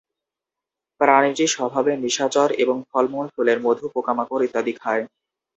প্রাণীটি স্বভাবে নিশাচর এবং ফলমূল, ফুলের মধু, পোকামাকড় ইত্যাদি খায়।